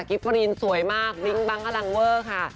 กิฟต์ปรีนสวยมากลิงก์บังกลางเวอร์ค่ะ